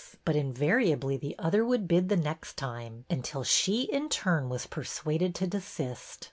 But in variably the other would bid the next time, until she in turn was persuaded to desist.